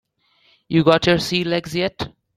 You got your sea legs yet?